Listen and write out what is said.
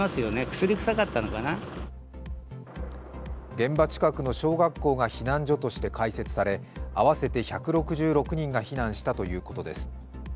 現場近くの小学校が避難所として開設され、合わせて１６６人が避難したということです。